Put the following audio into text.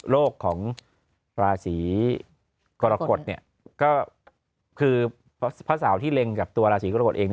โลกของราศีกรกฎก็คือพระสาวที่เล็งกับตัวราศีกรกฎเอง